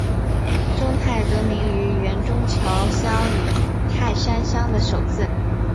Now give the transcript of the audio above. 中泰得名于原中桥乡与泰山乡的首字。